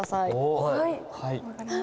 はい。